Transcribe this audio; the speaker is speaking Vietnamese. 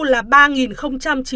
là ba chín mươi bốn tỷ đồng